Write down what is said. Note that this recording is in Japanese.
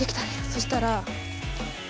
そしたら。